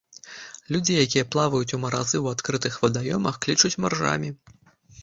Людзей, якія плаваюць у маразы у адкрытых вадаёмах, клічуць маржамі.